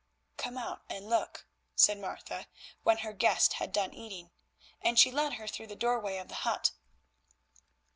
"Come out and look," said Martha when her guest had done eating. And she led her through the doorway of the hut.